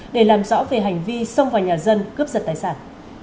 để làm rõ về hành vi xông vào nhà dân cướp giật tài sản